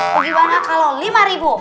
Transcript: bagaimana kalau lima ribu